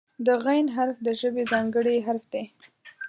د "غ" حرف د ژبې ځانګړی حرف دی.